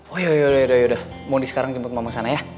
oh ya ya ya ya ya ya ya mondi sekarang jemput mama ke sana ya